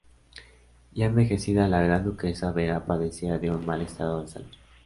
Ya envejecida, la Gran Duquesa Vera padecía de un mal estado de salud.